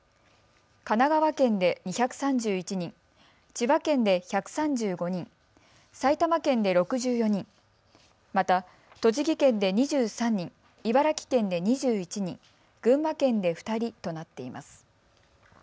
神奈川県で２３１人、千葉県で１３５人、埼玉県で６４人、また栃木県で２３人、茨城県で２１人、群馬県で２人となっています。